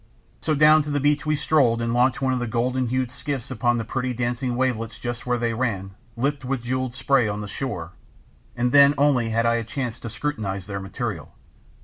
So down to the beach we strolled and launched one of the golden hued skiffs upon the pretty dancing wavelets just where they ran, lipped with jewelled spray, on the shore, and then only had I a chance to scrutinise their material.